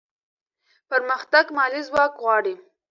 پرمختګ مالي ځواک غواړي.